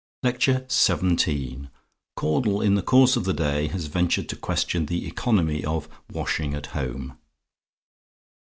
LECTURE XVII CAUDLE IN THE COURSE OF THE DAY HAS VENTURED TO QUESTION THE ECONOMY OF "WASHING AT HOME."